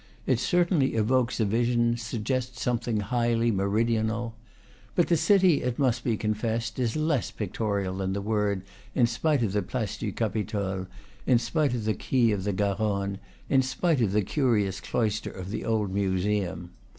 It certainly evokes a vision, suggests something highly meridional. But the city, it must be confessed, is less pictorial than the word, in spite of the Place du Capitole, in spite of the quay of the Garonne, in spite of the curious cloister of the old museum.